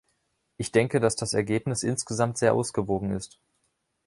Ich denke, dass das Ergebnis insgesamt sehr ausgewogen ist.